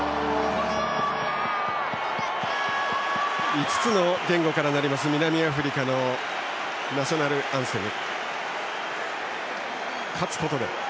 ５ つの言語からなります南アフリカのナショナルアンセム。